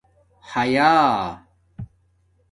حَیا